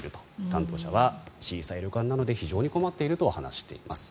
担当者は、小さい旅館なので非常に困っていると話しています。